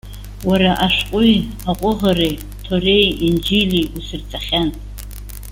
Уара ашәҟәи, аҟәыӷареи, Ҭореи, Инџьили усырҵахьан.